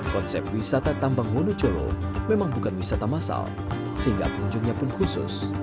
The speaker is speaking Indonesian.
konsep wisata tambang wonocolo memang bukan wisata massal sehingga pengunjungnya pun khusus